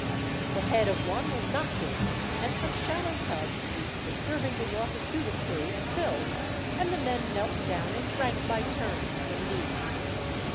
The head of one was knocked in, and some shallow tubs, used for serving the water to the crew, filled, and the men knelt down and drank by turns from these.